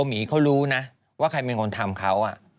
มีเขารู้นะว่าใครทำกับตัว